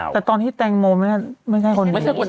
แต่ตอนที่แตงโมนมันมีคนนึง